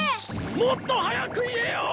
もっと早く言えよ！